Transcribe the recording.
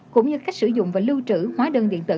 cũng như cách sử dụng và lưu trữ hóa đơn điện tử